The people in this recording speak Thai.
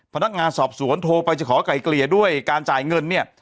พนักงานสอบสวนโทรไปจะขอไกลเกลี่ยด้วยการจ่ายเงินเนี่ย